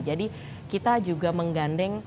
jadi kita juga menggandeng